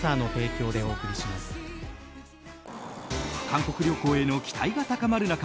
韓国旅行への期待が高まる中